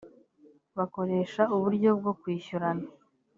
bakoresha uburyo bwo kwishyurana